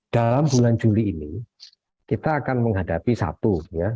dalam bulan juli ini kita akan menghadapi satu ya